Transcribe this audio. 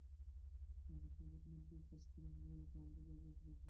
আগের rubber mat দিয়েই কাজ হবে, কারেন্টের ব্যাপারটাও এক।